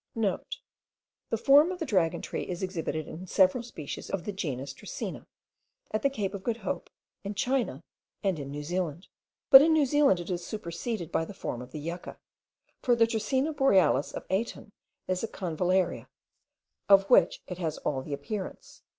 *(* The form of the dragon tree is exhibited in several species of the genus Dracaena, at the Cape of Good Hope, in China, and in New Zealand. But in New Zealand it is superseded by the form of the yucca; for the Dracaena borealis of Aiton is a Convallaria, of which it has all the appearance.